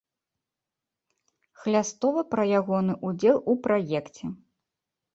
Хлястова пра ягоны ўдзел у праекце.